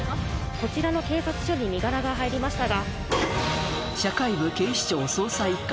こちらの警察署に身柄が入りましたが。